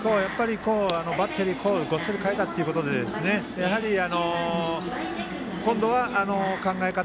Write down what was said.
バッテリーをごっそり代えたということで今度は考え方